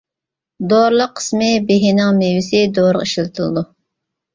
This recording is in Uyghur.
دورىلىق قىسمى بېھىنىڭ مېۋىسى دورىغا ئىشلىتىلىدۇ.